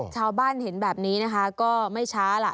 ชาวบ้านเห็นแบบนี้นะคะก็ไม่ช้าล่ะ